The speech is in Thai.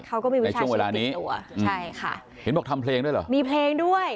เขาก็มีเวลาในช่วงเวลานี้ใช่ค่ะเห็นบอกทำเพลงด้วยเหรอมีเพลงด้วย